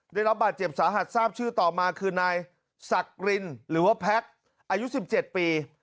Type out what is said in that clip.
ได้รับบาดเจ็บสาหัสทราบชื่อต่อมาคือนายสักรินหรือว่าแพ็คอายุ๑๗ปี